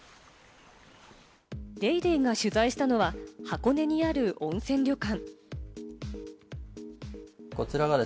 『ＤａｙＤａｙ．』が取材したのは、箱根にある温泉旅館。